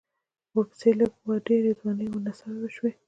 ورپسې لږ و ډېرې ځوانې نڅاوې شوې.